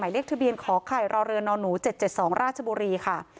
เลขทะเบียนขอไข่รอเรือนหนู๗๗๒ราชบุรีค่ะ